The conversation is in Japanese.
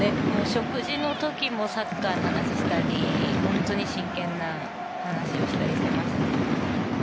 食事の時もサッカーの話をしたり本当に真剣な話をしてたりしてましたね。